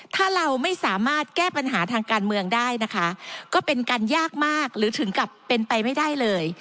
ถ้าเราไม่สามารถแก้ปัญหาทางการเมืองได้นะคะก็เป็นกันยากมากหรือถึงกับเป็นไปไม่ได้เลย